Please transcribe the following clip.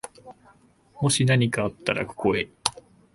もしなにかあったら、ここへ。